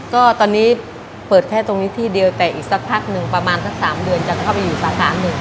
ก็ตอนนี้เปิดแค่ตรงนี้ที่เดียวแต่อีกสักพักหนึ่งประมาณสัก๓เดือนจะเข้าไปอยู่สาขาหนึ่ง